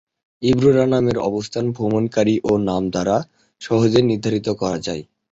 ইব্রোডানামের অবস্থান ভ্রমণকারী ও নাম দ্বারা সহজেই নির্ধারণ করা যায়।